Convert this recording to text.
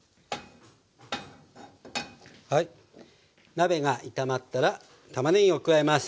鍋が炒まったらたまねぎを加えます。